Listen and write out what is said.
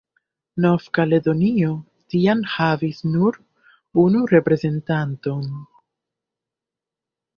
Nov-Kaledonio tiam havis nur unu reprezentanton.